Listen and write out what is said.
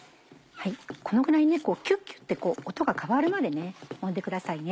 このぐらいキュっキュって音が変わるまでもんでください。